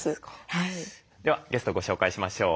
ではゲストをご紹介しましょう。